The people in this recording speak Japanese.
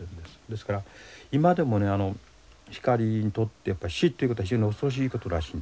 ですから今でもね光にとって死っていうことは非常に恐ろしいことらしいんですね。